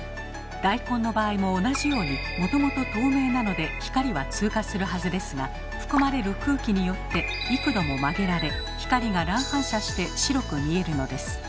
大根の場合も同じようにもともと透明なので光は通過するはずですが含まれる空気によって幾度も曲げられ光が乱反射して白く見えるのです。